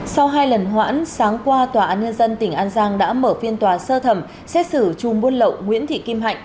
sau hai lần hoãn sáng qua tòa án nhân dân tỉnh an giang đã mở phiên tòa sơ thẩm xét xử chùm buôn lậu nguyễn thị kim hạnh